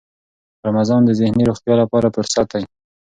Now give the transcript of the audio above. رمضان د ذهني روغتیا لپاره فرصت دی.